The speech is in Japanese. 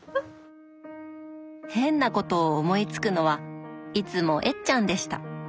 変なことを思いつくのはいつもえっちゃんでした。